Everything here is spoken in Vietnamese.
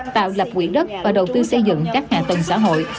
tạo lập quỹ đất và đầu tư xây dựng các hạ tầng xã hội